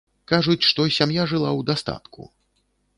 Кажуць, што сям'я жыла ў дастатку.